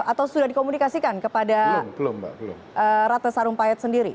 atau sudah dikomunikasikan kepada ratna sarumpayat sendiri